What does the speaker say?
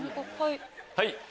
はい。